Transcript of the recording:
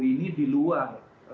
ini di luar